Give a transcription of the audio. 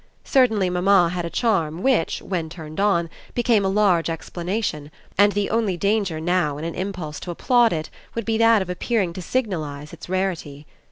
Certainly mamma had a charm which, when turned on, became a large explanation; and the only danger now in an impulse to applaud it would be that of appearing to signalise its rarity.